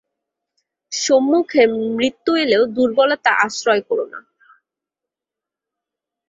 সম্মুখে মৃত্যু এলেও দুর্বলতা আশ্রয় কর না।